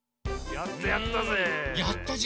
やってやったぜ！